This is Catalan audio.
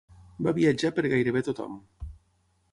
Va viatjar per gairebé tothom.